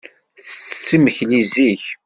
Tettett imekli zik.